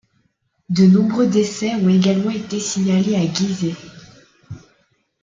De nombreux décès ont également été signalés à Gizeh.